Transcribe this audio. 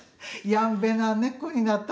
やんべな姉っこになった。